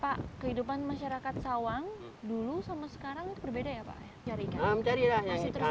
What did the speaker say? pak kehidupan masyarakat sawang dulu sama sekarang itu berbeda ya pak jaringan